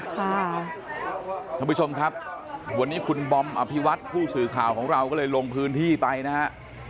ท่านผู้ชมครับวันนี้คุณบอมอภิวัตผู้สื่อข่าวของเราก็เลยลงพื้นที่ไปนะฮะ